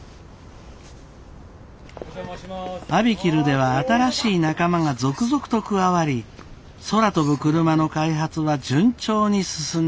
ＡＢＩＫＩＬＵでは新しい仲間が続々と加わり空飛ぶクルマの開発は順調に進んでいきました。